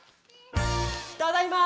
ただいま！